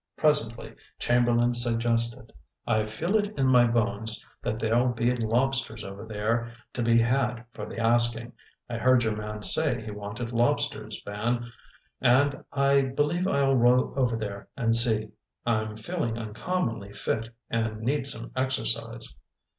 Presently Chamberlain suggested: "I feel it in my bones that there'll be lobsters over there to be had for the asking. I heard your man say he wanted lobsters, Van; and I believe I'll row over there and see. I'm feeling uncommonly fit and need some exercise."